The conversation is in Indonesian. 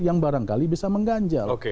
yang barangkali bisa mengganjal